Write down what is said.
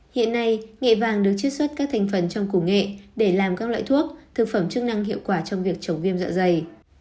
hiện nay nghệ vàng được chiếc xuất các thành phần trong củ nghệ để làm các loại thuốc thực phẩm chức năng hiệu quả trong việc chống viêm dạ dày